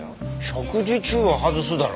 食事中は外すだろ。